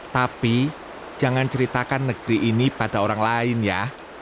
tapi jangan ceritakan negeri ini pada orang lain ya